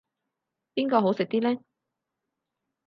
邊個好食啲呢